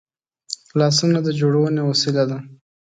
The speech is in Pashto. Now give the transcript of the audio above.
لاسونه د جوړونې وسیله ده